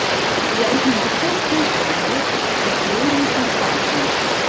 Hja is in bekende tsjinstanster fan it feroarjen fan de stavering.